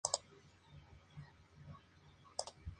Marcos anda perdido agarrado a su acordeón y a un montón de preguntas.